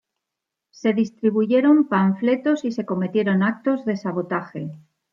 Se distribuyeron panfletos y se cometieron actos de sabotaje.